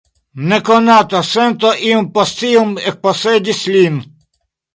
Nekonata sento iom post iom ekposedis lin.